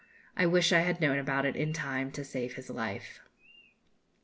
I wish I had known about it in time to save his life!